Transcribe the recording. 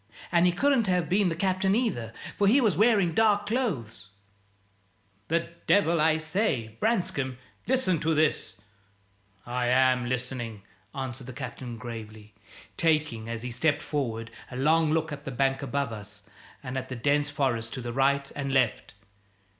"And he couldn't have been the Captain either, for he was wearing dark clothes " "The devil! I say, Branscome, listen to this " "I am listening," answered the Captain, gravely, taking, as he stepped forward, a long look at the bank above us and at the dense forest to right and left.